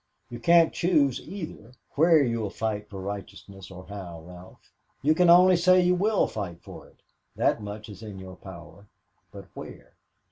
You can't choose either where you'll fight for righteousness or how, Ralph; you can only say you will fight for it that much is in your power but where?